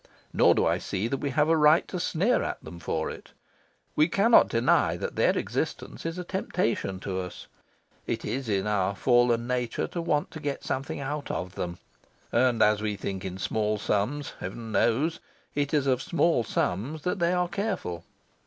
Nor do I see that we have a right to sneer at them for it. We cannot deny that their existence is a temptation to us. It is in our fallen nature to want to get something out of them; and, as we think in small sums (heaven knows), it is of small sums that they are careful.